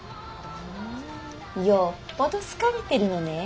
ふんよっぽど好かれてるのねえ。